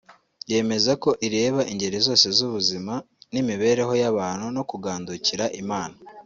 yemeza ko ireba ingeri zose z’ubuzima n’imibereho y’abantu no kugandukira Imana